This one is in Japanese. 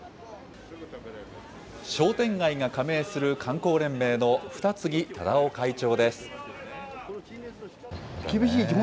商店街が加盟する観光連盟の二木忠男会長です。